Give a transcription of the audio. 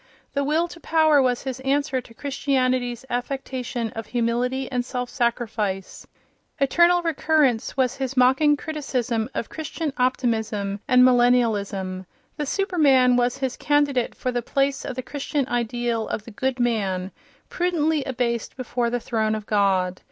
The will to power was his answer to Christianity's affectation of humility and self sacrifice; eternal recurrence was his mocking criticism of Christian optimism and millennialism; the superman was his candidate for the place of the Christian ideal of the "good" man, prudently abased before the throne of God.